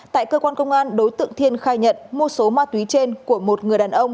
tại cơ quan công an đối tượng thiên khai nhận mua số ma túy trên của một người đàn ông